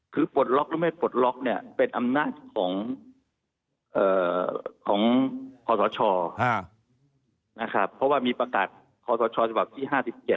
คือปลดล็อคเป็นอำนาจของขอสตรชอเพราะว่ามีประกาศขอสตรชอสภาพที่๕๗เนี่ยนะครับ